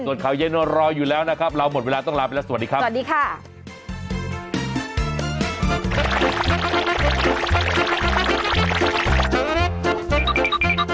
ส่วนข่าวเย็นรออยู่แล้วนะครับเราหมดเวลาต้องลาไปแล้วสวัสดีครับสวัสดีค่ะ